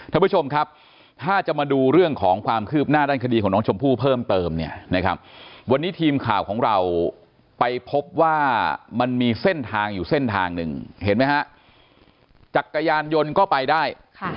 ท่านผู้ชมครับถ้าจะมาดูเรื่องของความคืบหน้าด้านคดีของน้องชมพู่เพิ่มเติมเนี่ยนะครับวันนี้ทีมข่าวของเราไปพบว่ามันมีเส้นทางอยู่เส้นทางหนึ่งเห็นไหมฮะจักรยานยนต์ก็ไปได้